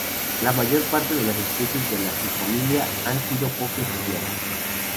La mayor parte de las especies de la subfamilia han sido poco estudiadas.